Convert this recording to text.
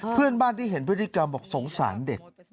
เพื่อนบ้านที่เห็นพฤติกรรมบอกสงสารเด็ก